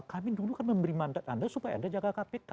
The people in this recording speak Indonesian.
kami dulu kan memberi mandat anda supaya anda jaga kpk